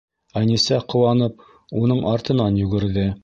Әнисә, ҡыуанып, уның артынан йүгерҙе.